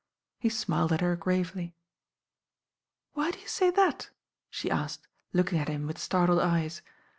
He smiled at her gravely. "Why do you say that ?" she asked, looking at him with startled eyes.